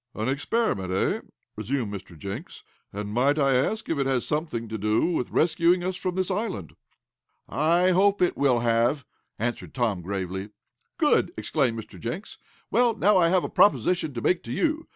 "An experiment, eh?" resumed Mr. Jenks, "And might I ask if it has anything to do with rescuing us from this island?" "I hope it will have," answered Tom, gravely. "Good!" exclaimed Mr. Jenks. "Well, now I have a proposition to make to you.